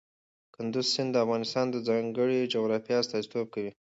کندز سیند د افغانستان د ځانګړي جغرافیه استازیتوب کوي.